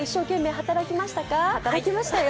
働きましたよ。